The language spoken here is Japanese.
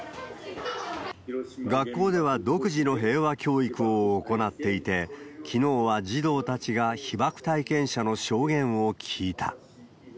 学校では独自の平和教育を行っていて、きのうは児童たちが被爆体験者の証言を聞いた。